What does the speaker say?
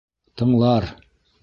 Тыңлар!